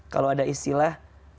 kalau ada istilah